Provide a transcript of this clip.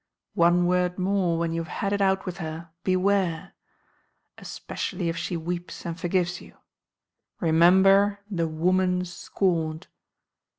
One word more, when you have had it out with her, beware! Especially if she weeps and forgives you. Remember the 'woman scorned.'